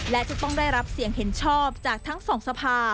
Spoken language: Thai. และจะต้องได้รับเสียงเห็นชอบจากทั้งสองสภา